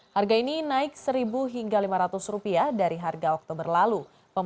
harga ini naik rp satu hingga rp lima ratus dari harga oktober lalu